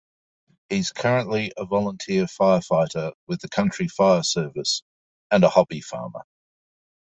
He's currently a volunteer fire-fighter with the Country Fire Service and a hobby farmer.